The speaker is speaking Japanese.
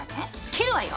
切るわよ！